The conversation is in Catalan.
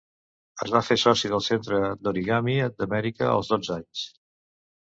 Es va fer soci del Centre d'Origami d'Amèrica als dotze anys.